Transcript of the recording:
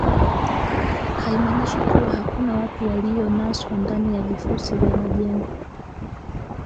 haimaanishi kuwa hakuna watu walionaswa ndani ya vifusi vya majengo